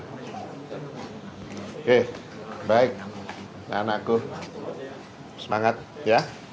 oke baik anakku semangat ya